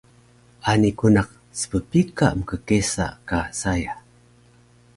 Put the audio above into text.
Ani ku naq sppika mkkesa ka saya